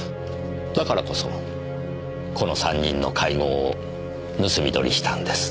だからこそこの３人の会合を盗み撮りしたんです。